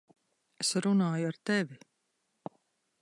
Es runāju ar tevi!